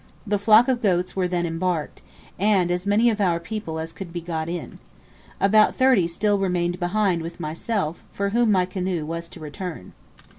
The flock of goats were then embarked, and as many of our people as could be got in. About thirty still remained behind with myself, for whom my canoe was to return.